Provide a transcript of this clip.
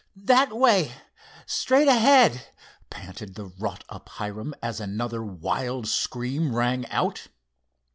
"That way, straight ahead," panted the wrought up Hiram, as another wild scream rang out.